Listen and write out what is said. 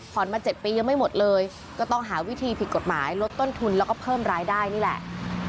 มา๗ปียังไม่หมดเลยก็ต้องหาวิธีผิดกฎหมายลดต้นทุนแล้วก็เพิ่มรายได้นี่แหละ